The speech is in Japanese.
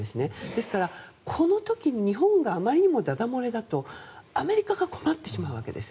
ですからこの時に日本があまりにもだだ漏れだとアメリカが困ってしまうわけです。